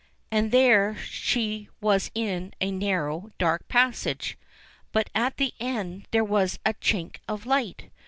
And there she was in a narrow, dark passage. But at the end there was a chink of Hght.